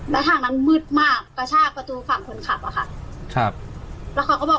และทางนั้นมืดมากกระชากประตูฝั่งคนขับอะค่ะ